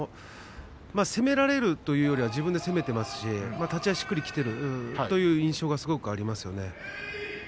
攻められるというのは自分で攻めていますし立ち合いがしっくりきているという印象がありますね。